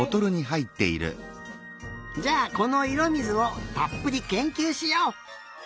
じゃあこのいろみずをたっぷりけんきゅうしよう！